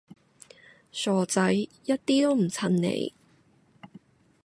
傻仔，一啲都唔襯你